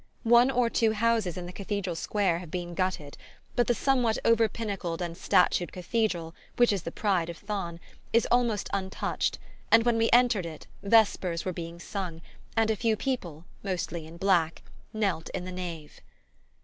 One or two houses in the Cathedral square have been gutted, but the somewhat over pinnacled and statued cathedral which is the pride of Thann is almost untouched, and when we entered it vespers were being sung, and a few people mostly in black knelt in the nave.